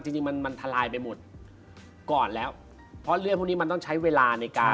จริงจริงมันมันทลายไปหมดก่อนแล้วเพราะเรื่องพวกนี้มันต้องใช้เวลาในการ